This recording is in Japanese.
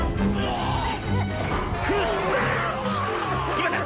今だ！